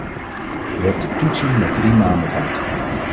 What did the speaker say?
U hebt de toetsing na drie maanden gehad.